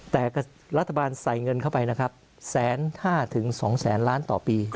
แต่รัฐบาลใส่เงินเข้าไปนะครับ๑๕๐๐๒แสนล้านต่อปี